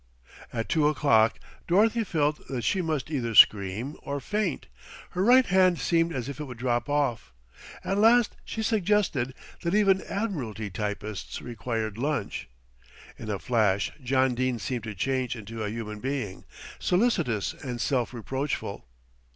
At two o'clock Dorothy felt that she must either scream or faint. Her right hand seemed as if it would drop off. At last she suggested that even Admiralty typists required lunch. In a flash John Dene seemed to change into a human being, solicitous and self reproachful.